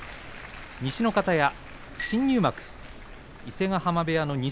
西の方屋新入幕、伊勢ヶ濱部屋の錦